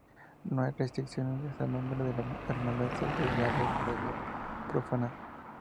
No hay restricciones al nombre de la Hermandad excepto la regla de "no profanar".